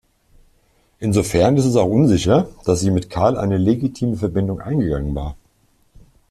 Insofern ist es auch unsicher, dass sie mit Karl eine legitime Verbindung eingegangen war.